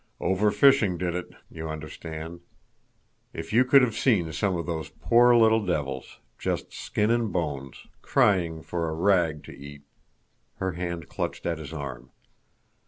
Over fishing did it, you understand. If you could have seen some of those poor little devils, just skin and bones, crying for a rag to eat—" Her hand clutched at his arm.